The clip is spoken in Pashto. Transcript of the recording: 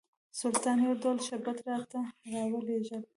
سلطان یو ډول شربت راته راولېږل.